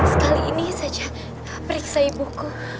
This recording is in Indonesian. sekali ini saja periksa ibuku